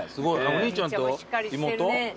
お兄ちゃんと妹？